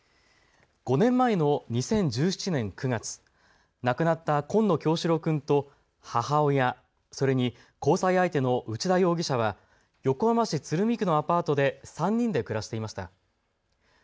５年前の２０１７年９月、亡くなった紺野叶志郎君と母親、それに交際相手の内田容疑者は横浜市鶴見区のアパートで３人で暮らしていました。